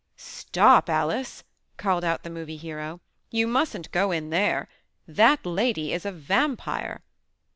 "Stop, Alice !" called out the Movie Hero. "You musn't go in there. That lady is a vampire."